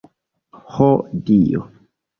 Ho Dio!